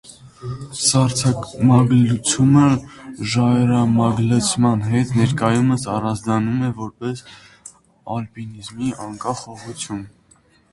Սառցամագլցումը՝ ժայռամագլցման հետ ներկայումս առանձնանում է որպես ալպինիզմի անկախ ուղղություն։